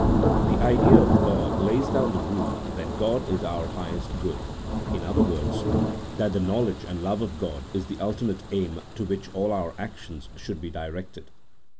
The idea of God lays down the rule that God is our highest good — in other words, that the knowledge and love of God is the ulti mate aim to which all our actions should be directed.